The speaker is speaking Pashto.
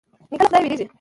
نیکه له خدايه وېرېږي.